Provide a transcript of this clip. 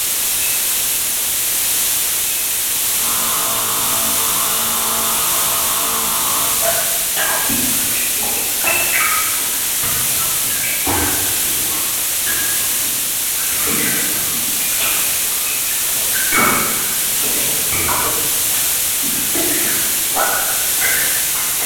Walienda hospitalini jana